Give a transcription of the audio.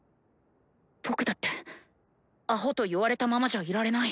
僕だってアホと言われたままじゃいられない！